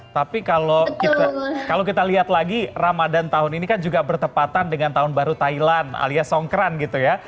tapi kalau kita lihat lagi ramadan tahun ini kan juga bertepatan dengan tahun baru thailand alias songkran gitu ya